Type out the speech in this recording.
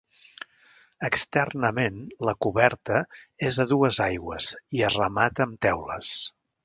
Externament la coberta és a dues aigües i es remata amb teules.